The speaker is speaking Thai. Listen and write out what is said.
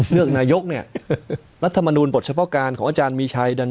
เลือกนายกเนี่ยรัฐมนูลบทเฉพาะการของอาจารย์มีชัยดัน